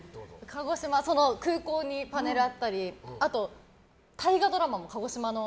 鹿児島空港にパネルがあったりあと大河ドラマも、鹿児島の。